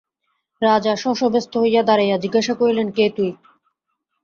রাজা শশব্যস্ত হইয়া দাঁড়াইয়া জিজ্ঞাসা করিলেন, কে তুই?